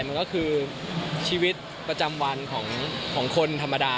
มันก็คือชีวิตประจำวันของคนธรรมดา